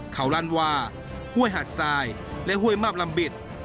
เขาลั่นว่าห้วยหาดทรายและห้วยมาบลำบิด